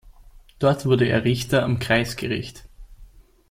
Dort wurde er Richter am Kreisgericht.